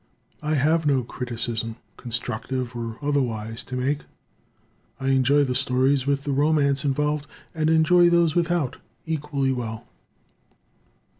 I have no criticism, constructive or otherwise, to make. I enjoy the stories with some romance involved, and enjoy those without equally well.